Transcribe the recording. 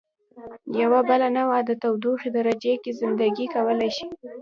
یوه بله نوعه د تودوخې درجې کې زنده ګي کولای شي.